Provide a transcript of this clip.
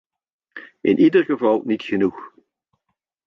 In ieder geval niet genoeg.